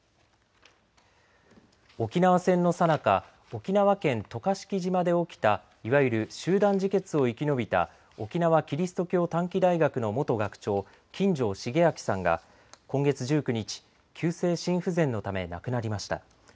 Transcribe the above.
沖縄戦のさなか沖縄県渡嘉敷島で起きたいわゆる集団自決を生き延びた沖縄キリスト教短期大学の元学長、金城重明さんが今月１９日、急性心不全のため亡くなりました。